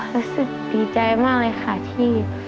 รู้สึกดีใจมากเลยค่ะที่